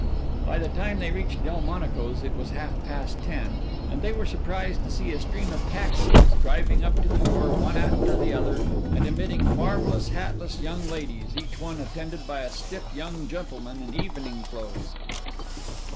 By the time they reached Delmonico's it was half past ten, and they were surprised to see a stream of taxis driving up to the door one after the other and emitting marvelous, hatless young ladies, each one attended by a stiff young gentleman in evening clothes.